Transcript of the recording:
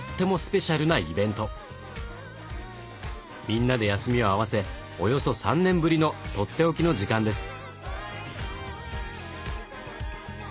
みんなで休みを合わせおよそ３年ぶりのとっておきの時間です。